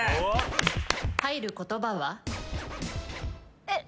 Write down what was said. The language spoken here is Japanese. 入る言葉は？えっ？